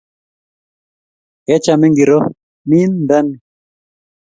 kecham ingiroo nin nda ni?